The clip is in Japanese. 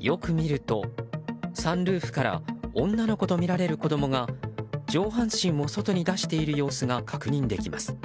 よく見ると、サンルーフから女の子とみられる子供が上半身を外に出している様子が確認できます。